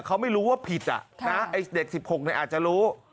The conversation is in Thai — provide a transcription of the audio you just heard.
เขาไม่รู้ว่าผิดไอ้เด็ก๑๖อาจจะรู้